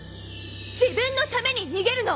自分のために逃げるの！